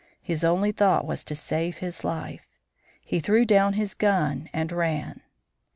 His only thought was to save his life. He threw down his gun and ran.